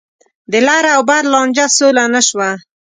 د لر او بر لانجه سوله نه شوه.